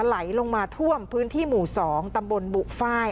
ไหลลงมาท่วมพื้นที่หมู่๒ตำบลบุฟ้าย